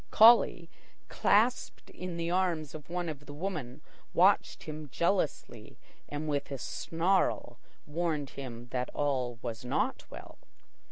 Collie, clasped in the arms of one of the women, watched him jealously and with a snarl warned him that all was not well.